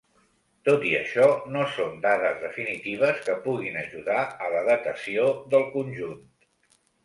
Tot i això, no són dades definitives que puguin ajudar a la datació del conjunt.